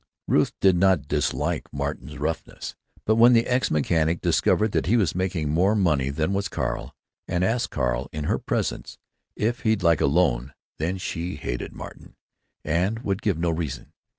Ruth did not dislike Martin's roughness, but when the ex mechanic discovered that he was making more money than was Carl, and asked Carl, in her presence, if he'd like a loan, then she hated Martin, and would give no reason.